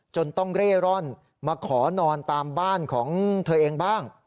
จนต้องเร่ร่อนมาขอนอนตามบ้านของเธอเองบ้าง